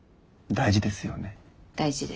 大事です。